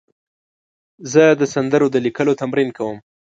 زه د سندرو د لیکلو تمرین کوم.